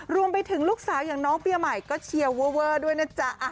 รวมไปถึงลูกสาวอย่างน้องเปียใหม่ก็เชียร์เวอร์ด้วยนะจ๊ะ